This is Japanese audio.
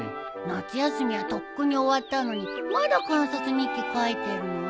夏休みはとっくに終わったのにまだ観察日記書いてるの？